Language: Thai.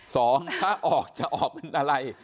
สองถ้าออกจะออกเป็นอะไร